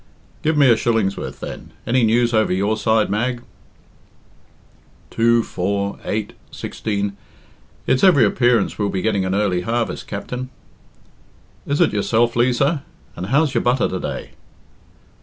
"Give me a shilling's worth, then. Any news over your side, Mag?" "Two four eight sixteen it's every appearance we'll be getting a early harvest, Capt'n." "Is it yourself, Liza? And how's your butter to day?"